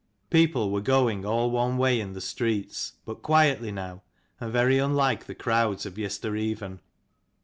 People were going all one way in the streets, but quietly now, and very unlike the crowds of yestereven.